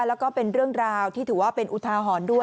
แล้วก็เป็นเรื่องราวที่ถือว่าเป็นอุทาหรณ์ด้วย